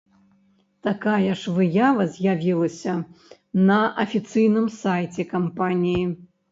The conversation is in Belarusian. Такая ж выява з'явілася на афіцыйным сайце кампаніі.